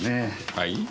はい？